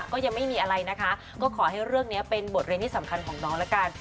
ก็ยังไม่มีอะไรนะคะก็ขอให้เรื่องนี้เป็นบทเรียนที่สำคัญของน้องละกัน